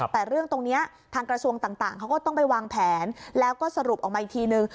แต่เรื่องตรงนี้ทางกระทรวงต่างเขาก็ต้องไปวางแผนแล้วก็สรุปออกมาอีกทีนึง